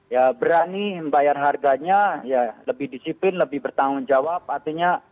ya berani bayar harganya ya lebih disiplin lebih bertanggung jawab artinya